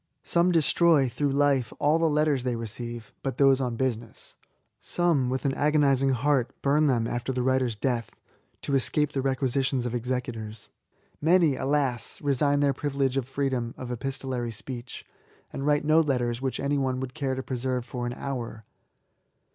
Some destroy, through life, all the letters they receive, but those on business. Some, with an agonising heart, bum them after the writer's death, to escape the requisitions of executors. Many, alas ! resign their privilege of freedom of epistolary speech, and write no letters which any one would care to preserve for an hour.